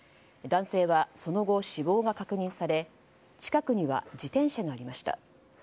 男性はその後、死亡が確認され近くには自転車がありました。